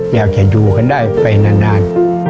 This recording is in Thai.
อยากจะอยู่กันได้ไปนาน